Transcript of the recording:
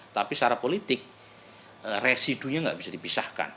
tapi secara politik residunya nggak bisa dipisahkan